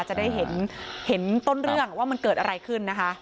จะได้เห็นต้นเรื่องว่ามันเกิดอะไรขึ้นนะคะ